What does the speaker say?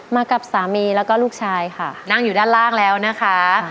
มากับสามีแล้วก็ลูกชายค่ะนั่งอยู่ด้านล่างแล้วนะคะ